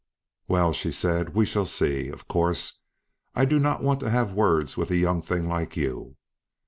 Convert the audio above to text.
"Well," she said, "we shall see; of course, I do not want to have words with a young thing like you."